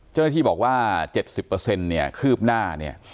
เจ้าหน้าที่บอกว่า๗๐เนี่ยคืบหน้าเนี่ย